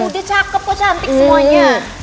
udah cakep kok cantik semuanya